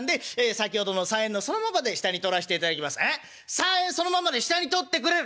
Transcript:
３円そのままで下に取ってくれる？